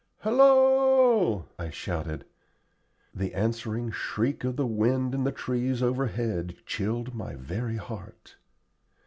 "Halloo oo!" I shouted. The answering shriek of the wind in the trees overhead chilled my very heart.